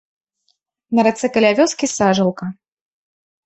На рацэ каля вёскі сажалка.